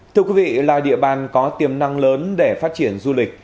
thưa quý vị là địa bàn có tiềm năng lớn để phát triển du lịch